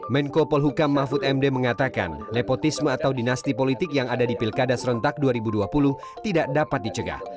menko polhukam mahfud md mengatakan nepotisme atau dinasti politik yang ada di pilkada serentak dua ribu dua puluh tidak dapat dicegah